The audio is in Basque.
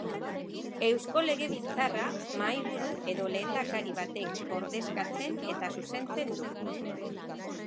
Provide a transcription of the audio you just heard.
Eusko Legebiltzarra mahaiburu edo lehendakari batek ordezkatzen eta zuzentzen du.